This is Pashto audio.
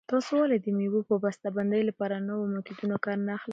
تاسې ولې د مېوو د بسته بندۍ لپاره له نویو میتودونو کار نه اخلئ؟